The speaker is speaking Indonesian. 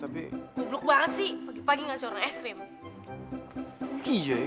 belum datang ya